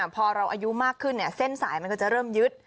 พอเราอายุมากขึ้นเส้นสายมันก็จะเริ่มยึด